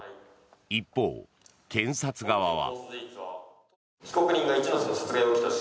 一方、検察側は。